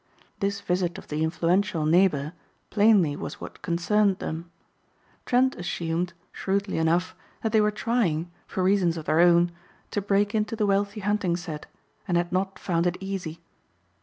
This visit of the influential neighbor plainly was what concerned them. Trent assumed, shrewdly enough, that they were trying, for reasons of their own, to break into the wealthy hunting set and had not found it easy.